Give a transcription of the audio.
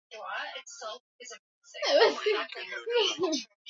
i kuna mambo mengine ambayo yanaweza yaka